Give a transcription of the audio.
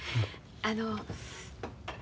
あの。